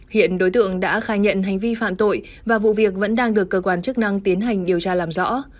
hiện đối tượng đã khai nhận hành vi phạm tội và vụ việc vẫn đang được cơ quan chức năng tiến hành điều tra làm rõ